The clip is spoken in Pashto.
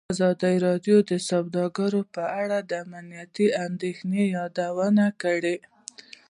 ازادي راډیو د سوداګري په اړه د امنیتي اندېښنو یادونه کړې.